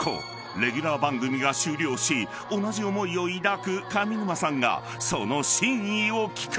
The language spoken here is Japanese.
［レギュラー番組が終了し同じ思いを抱く上沼さんがその真意を聞く］